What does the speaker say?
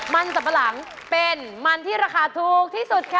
มันสับปะหลังเป็นมันที่ราคาถูกที่สุดค่ะ